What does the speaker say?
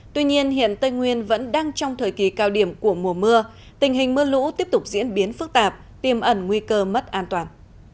tuy nhiên hiện tây nguyên vẫn đang trong thời kỳ cao điểm của mùa mưa tình hình mưa lũ tiếp tục diễn biến phức tạp tiêm ẩn nguy cơ mất an toàn